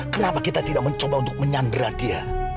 kenapa kita tidak mencoba untuk menyandra dia